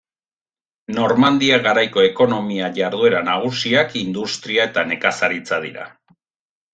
Normandia Garaiko ekonomia jarduera nagusiak industria eta nekazaritza dira.